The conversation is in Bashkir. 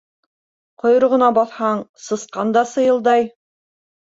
Ҡойроғона баҫһаң, сысҡан да сыйылдай.